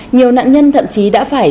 nhiều nạn nhân thậm chí đã phải